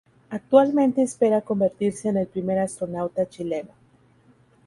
Actualmente espera convertirse en el primer astronauta chileno.